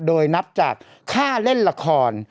โดยนับจากค่าเล่นละคร